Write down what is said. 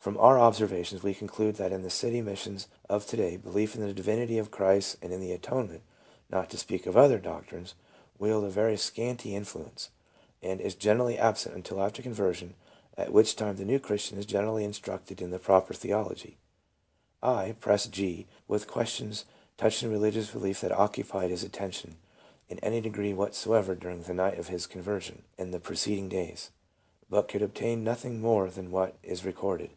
From our observations we conclude that, in the city missions of to day, belief in the divinity of Christ and in the atonement — not to speak of other doctrines — wield a very scanty influence, and is generally absent until after conversion, at which time the new Christian is generally instructed in the popular theology. I pressed G. with questions touching the religious beliefs that occupied his attention in any degree whatsoever during the night of his conversion and the preceding days, but could obtain nothing more than what is recorded.